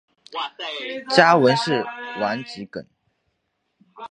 家纹是丸桔梗。